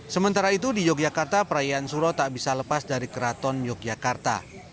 sementara itu di yogyakarta perayaan suro tak bisa lepas dari keraton yogyakarta